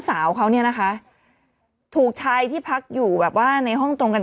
สาวเขาเนี่ยนะคะถูกชายที่พักอยู่แบบว่าในห้องตรงกัน